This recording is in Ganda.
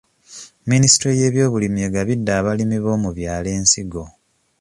Minisitule y'ebyobulimi egabidde abalimi b'omu byalo ensigo.